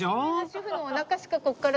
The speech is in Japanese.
シェフのおなかしかここから。